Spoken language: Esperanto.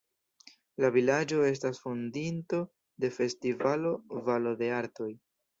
La vilaĝo estas fondinto de festivalo Valo de Artoj.